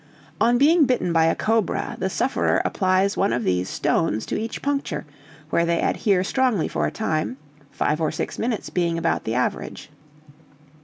"On being bitten by a cobra, the sufferer applies one of these 'stones' to each puncture, where they adhere strongly for a time, five or six minutes being about the average.